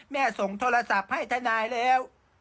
ส่งโทรศัพท์ให้ทนายแล้ว